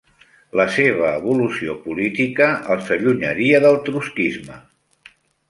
La seva evolució política els allunyaria del trotskisme.